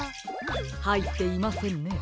はいっていませんね。